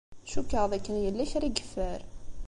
Cukkeɣ d akken yella kra i yeffer.